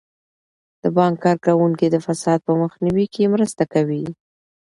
د بانک کارکوونکي د فساد په مخنیوي کې مرسته کوي.